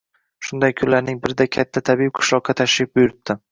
Shunday kunlarning birida katta tabib qishloqqa tashrif buyuribdi